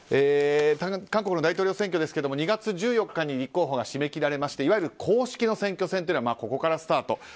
韓国の大統領選挙ですが２月１４日に立候補が締め切られましていわゆる公式の選挙戦はここからスタート。